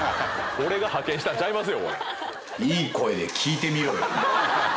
俺が派遣したんちゃいますよ。